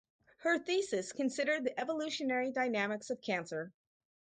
Her thesis considered the evolutionary dynamics of cancer.